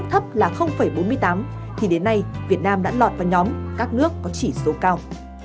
thấp là bốn mươi tám thì đến nay việt nam đã lọt vào nhóm các nước có chỉ số cao